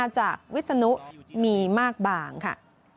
จากวิศนุมีมากบางค่ะ